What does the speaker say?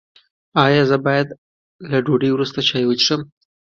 ایا زه باید له ډوډۍ وروسته چای وڅښم؟